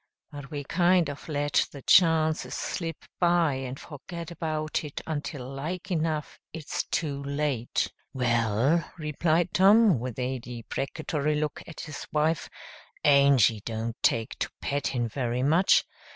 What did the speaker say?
But we kind of let the chances slip by and forget about it until like enough it's too late." "Well," replied Tom, with a deprecatory look at his wife, "Angy don't take to pettin' very much.